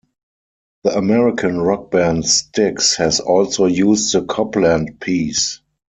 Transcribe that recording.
The American rock band Styx has also used the Copland piece.